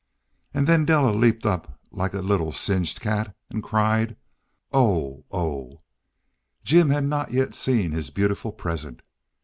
And then Della leaped up like a little singed cat and cried, "Oh, oh!" Jim had not yet seen his beautiful present.